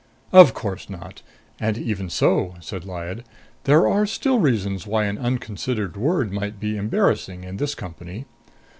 "Of course not, and even so," said Lyad, "there are still reasons why an unconsidered word might be embarrassing in this company.